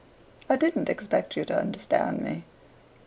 "I didn't expect you to understand me."